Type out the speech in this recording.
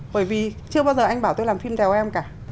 bởi vì chưa bao giờ anh bảo tôi làm phim đèo em cả